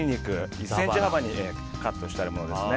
１ｃｍ幅にカットしてあるものです。